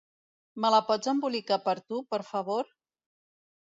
Me la pots embolicar per tu, per favor?